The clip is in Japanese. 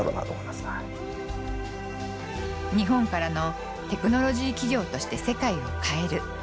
日本からのテクノロジー企業として世界を変える。